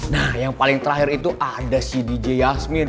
nah yang paling terakhir itu ada si dj yasmin